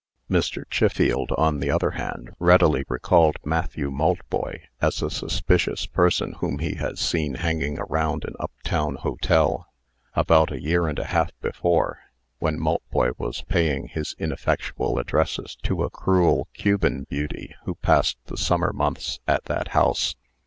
Mr. Chiffield, on the other hand, readily recalled Matthew Maltboy as a suspicious person whom he had seen hanging around an up town hotel, about a year and a half before (when Maltboy was paying his ineffectual addresses to a cruel Cuban beauty who passed the summer months at that house).